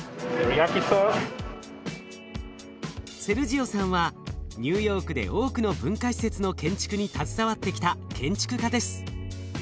セルジオさんはニューヨークで多くの文化施設の建築に携わってきた建築家です。